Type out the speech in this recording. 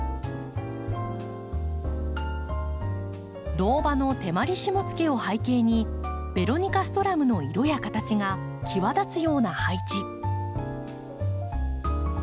銅葉のテマリシモツケを背景にベロニカストラムの色や形が際立つような配置。